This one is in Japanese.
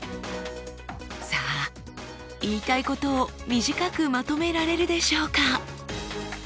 さあ言いたいことを短くまとめられるでしょうか？